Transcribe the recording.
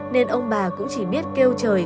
nên ông bà cũng chỉ biết kêu trời